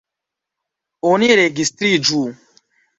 Oni registriĝu.